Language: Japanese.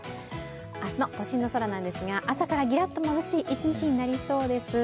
明日の都心の空ですが、朝からギラッとまぶしい一日となりそうです。